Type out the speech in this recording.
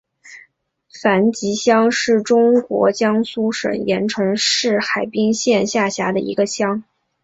樊集乡是中国江苏省盐城市滨海县下辖的一个乡。